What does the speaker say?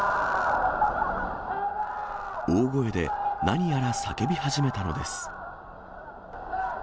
大声で、何やら叫び始めたのです。